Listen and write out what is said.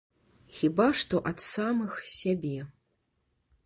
Хіба што ад самых сябе.